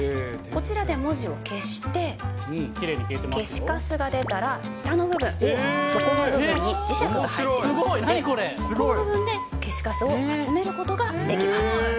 こちらで文字を消して、消しかすが出たら、下の部分、底の部分に磁石が入っていますので、ここの部分で消しかすを集めることができます。